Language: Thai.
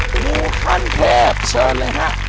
หมูขั้นแพบเชิญเลยฮะ